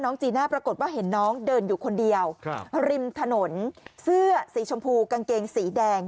จีน่าปรากฏว่าเห็นน้องเดินอยู่คนเดียวริมถนนเสื้อสีชมพูกางเกงสีแดง